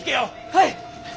はい！